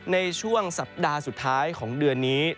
ในช่วงสัปดาห์สุดท้ายของเดือนนี้